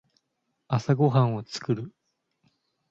朝ごはんを作る。